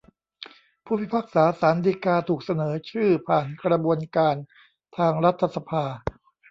ผู้พิพากษาศาลฎีกาถูกเสนอชื่อผ่านกระบวนการทางรัฐสภา